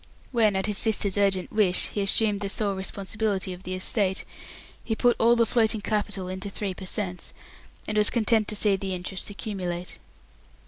When, at his sister's urgent wish, he assumed the sole responsibility of the estate, he put all the floating capital into 3 per cents., and was content to see the interest accumulate.